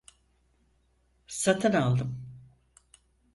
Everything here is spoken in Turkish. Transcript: Satın aldım.